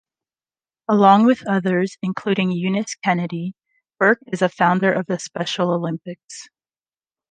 Along with others including Eunice Kennedy, Burke is a founder of the Special Olympics.